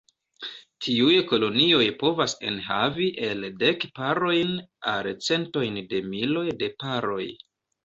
Tiuj kolonioj povas enhavi el dek parojn al centojn de miloj de paroj.